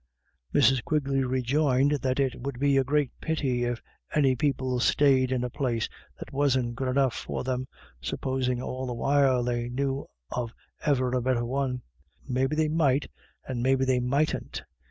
Mrs. Quigley rejoined that it would be a great pity if any people sted in a place that wasn't good enough for them, supposin' all the while they knew of e'er a better one ; maybe they might, or maybe they mightn't.